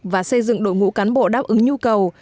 và xây dựng đội ngũ cán bộ đáp ứng nhu cầu